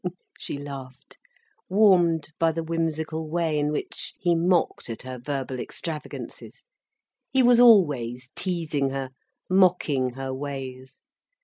"Ha! Ha!" she laughed, warmed by the whimsical way in which he mocked at her verbal extravagances. He was always teasing her, mocking her ways.